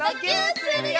するよ！